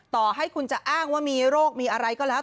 ต่อให้คุณจะอ้างว่ามีโรคมีอะไรก็แล้ว